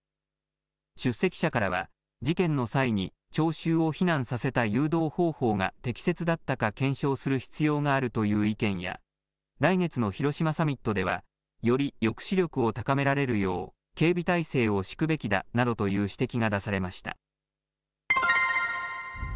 出席者からは事件の際に聴衆を避難させた誘導方法が適切だったか検証する必要があるという意見や、来月の広島サミットでは、より抑止力を高められるよう、警備体制を敷くべきだなどという指摘が出されました。